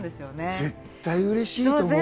絶対嬉しいと思う。